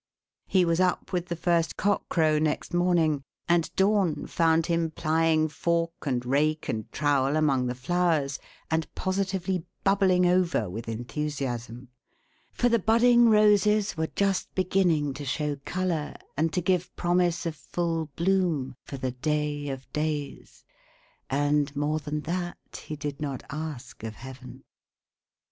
He was up with the first cock crow next morning, and dawn found him plying fork and rake and trowel among the flowers, and positively bubbling over with enthusiasm; for the budding roses were just beginning to show colour and to give promise of full bloom for the day of days and more than that he did not ask of heaven.